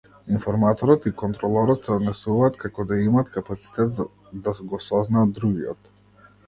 Информаторот и контролорот се однесуваат како да имаат капацитет да го сознаат другиот.